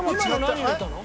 今の何入れたの？